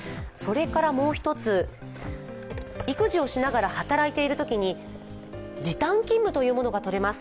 もう一つ、育児をしながら働いているときに時短勤務というものがとれます。